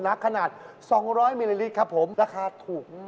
อ้าวแล้ว๓อย่างนี้แบบไหนราคาถูกที่สุด